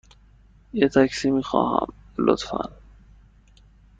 یه تاکسی می خواهم، لطفاً.